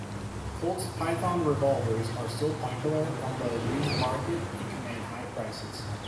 Colt's Python revolvers are still popular on the used market and command high prices.